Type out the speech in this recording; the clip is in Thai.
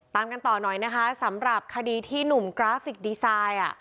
ตามกันต่อหน่อยนะคะสำหรับคดีที่หนุ่มกราฟิกดีไซน์